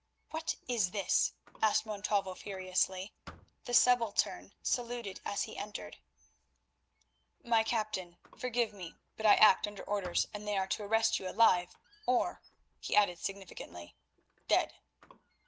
"What is this?" asked Montalvo furiously. The subaltern saluted as he entered: "My captain, forgive me, but I act under orders, and they are to arrest you alive, or," he added significantly, "dead."